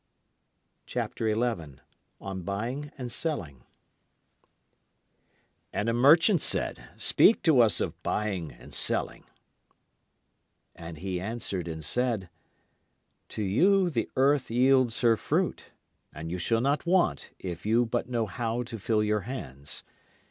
And a merchant said, Speak to us of Buying and Selling. And he answered and said: To you the earth yields her fruit, and you shall not want if you but know how to fill your hands.